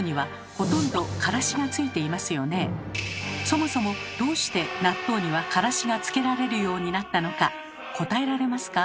そもそもどうして納豆にはからしがつけられるようになったのか答えられますか？